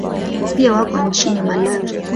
Pia wako nchini Malawi.